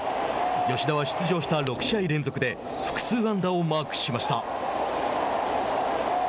吉田は出場した６試合連続で複数安打をマークしました。